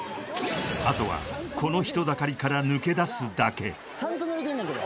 あとはこの人だかりからちゃんと濡れてんねんけど・